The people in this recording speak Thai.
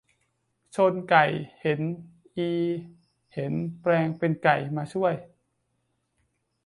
ชนไก่นั้นอีเห็นแปลงเป็นไก่มาช่วย